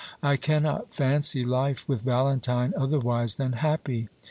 I cannot fancy life with Valentine otherwise than happy.